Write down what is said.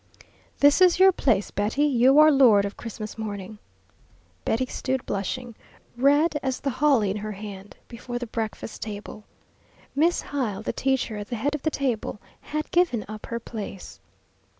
"This is your place, Betty. You are lord of Christmas morning." Betty stood, blushing, red as the holly in her hand, before the breakfast table. Miss Hyle, the teacher at the head of the table, had given up her place.